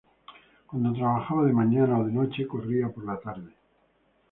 Cuando trabajaba de mañana o de noche, corría por la tarde.